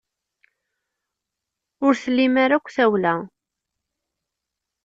Ur tlim ara akk tawla.